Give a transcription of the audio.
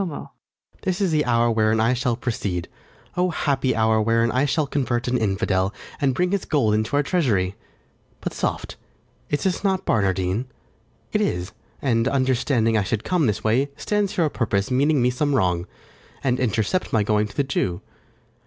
This is the hour wherein I shall proceed; O happy hour, wherein I shall convert An infidel, and bring his gold into our treasury! But soft! is not this Barnardine? it is; And, understanding I should come this way, Stands here o' purpose, meaning me some wrong, And intercept my going to the Jew.